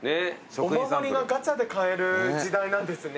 お守りがガチャで買える時代なんですね。